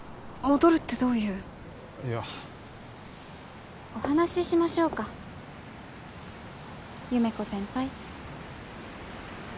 戻るってどういういやお話ししましょうか優芽子先輩